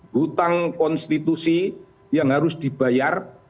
hutang konstitusi yang harus dibayar